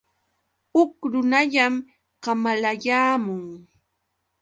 Huk runallam kamalayaamun.